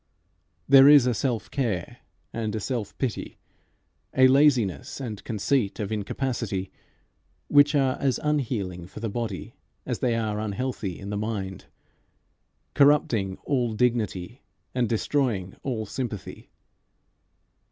There is a self care and a self pity, a laziness and conceit of incapacity, which are as unhealing for the body as they are unhealthy in the mind, corrupting all dignity and destroying all sympathy.